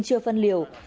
chưa phân xét được